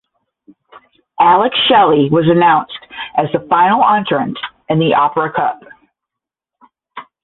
Alex Shelley was announced as the final entrant in the Opera Cup.